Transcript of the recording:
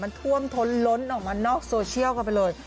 มันท่วมท้นล้นออกมานอกโซเชียลกันไปเลย